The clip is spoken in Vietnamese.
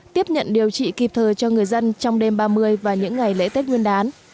tiếp nhận điều trị kịp thời cho người dân trong đêm ba mươi và những ngày lễ tết nguyên đán